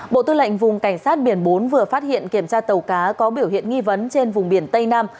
bộ tư lệnh vùng cảnh sát biển bốn vừa phát hiện kiểm tra tàu cá có biểu hiện nghi vấn trên vùng biển tây nam